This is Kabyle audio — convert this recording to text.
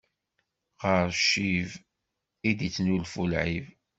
Ɣer ccib i d-ittnulfu lɛib.